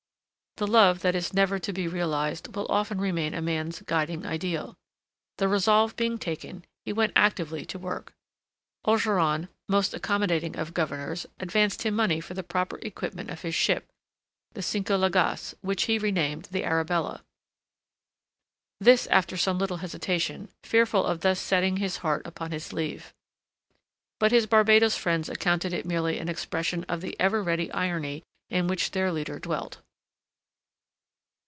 The love that is never to be realized will often remain a man's guiding ideal. The resolve being taken, he went actively to work. Ogeron, most accommodating of governors, advanced him money for the proper equipment of his ship the Cinco Llagas, which he renamed the Arabella. This after some little hesitation, fearful of thus setting his heart upon his sleeve. But his Barbados friends accounted it merely an expression of the ever ready irony in which their leader dealt.